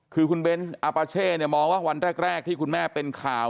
คือคุณเบนส์อาปาเช่มองว่าวันแรกที่คุณแม่เป็นข่าว